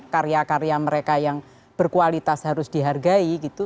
karya karya mereka yang berkualitas harus dihargai gitu